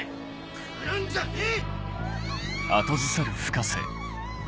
来るんじゃねえ！